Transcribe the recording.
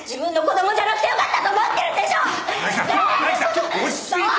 ちょっと落ち着いて！